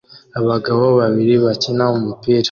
Abagabo babiri bakina umupira